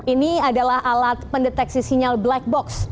ini adalah alat pendeteksi sinyal black box